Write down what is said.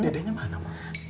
dedenya mana mak